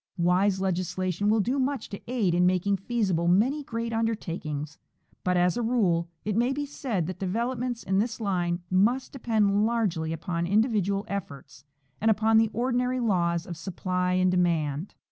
Wise legislation will do much to aid in making feasible many great undertakings, but as a rule it may be said that de velopments in this line must depend largely upon individual efforts and upon the ordinary laws of supply and demand.